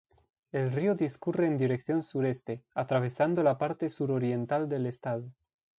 El río discurre en dirección sureste, atravesando la parte suroriental del estado.